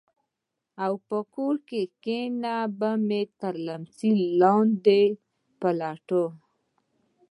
او په کور کښې به مې تر ليمڅي لاندې پټول.